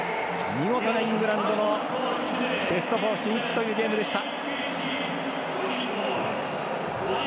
見事なイングランドのベスト４進出というゲームでした。